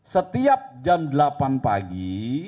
setiap jam delapan pagi